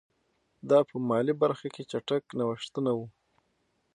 دا په مالي برخه کې چټک نوښتونه وو.